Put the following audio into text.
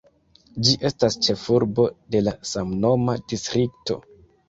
Ĝi estas ĉefurbo de la samnoma distrikto.